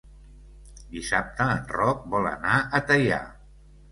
Dissabte en Roc vol anar a Teià.